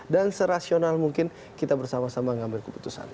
dan serasional mungkin kita bersama sama mengambil keputusan